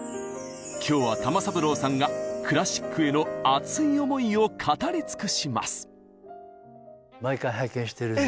今日は玉三郎さんがクラシックへの熱い思いを語り尽くします！